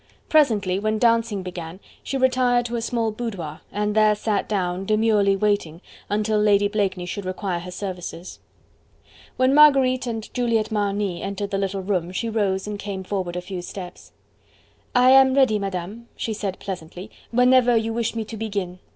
Presently, when dancing began, she retired to a small boudoir, and there sat down, demurely waiting, until Lady Blakeney should require her services. When Marguerite and Juliette Marny entered the little room, she rose and came forward a few steps. "I am ready, Madame," she said pleasantly, "whenever you wish me to begin.